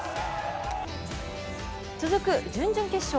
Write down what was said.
続く準々決勝。